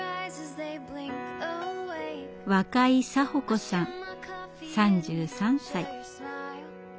若井沙穂子さん３３歳。